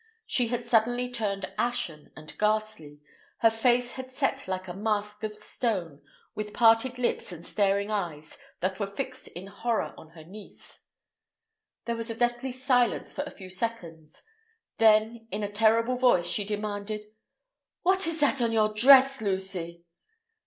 She had suddenly turned ashen and ghastly; her face had set like a mask of stone, with parted lips and staring eyes that were fixed in horror on her niece. There was a deathly silence for a few seconds. Then, in a terrible voice, she demanded: "What is that on your dress, Lucy?"